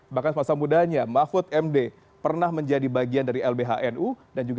bahkan semasa mudanya mahfud md pernah menjadi bagian dari lbhnu